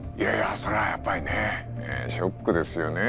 それはやっぱりねショックですよね